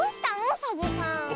サボさん。